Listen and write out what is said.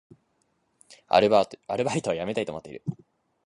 アルバイトを辞めたいと思っている